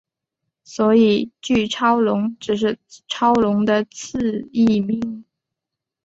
所以巨超龙只是超龙的次异名。